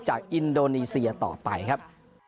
อินโดนีเซียต่อไปครับ